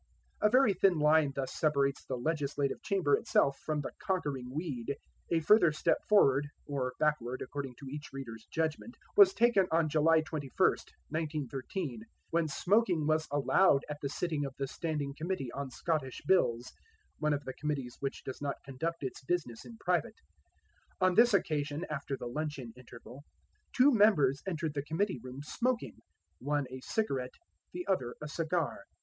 A very thin line thus separates the legislative chamber itself from the conquering weed. A further step forward (or backward, according to each reader's judgment) was taken on July 21, 1913, when smoking was allowed at the sitting of the Standing Committee on Scottish Bills one of the committees which does not conduct its business in private. On this occasion, after the luncheon interval, two members entered the committee room smoking, one a cigarette the other a cigar.